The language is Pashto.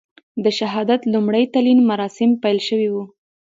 د شهادت لومړي تلین مراسیم پیل شوي و.